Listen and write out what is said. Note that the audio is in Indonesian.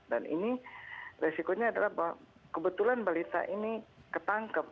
dan ini resikonya adalah bahwa kebetulan balita ini ketangkep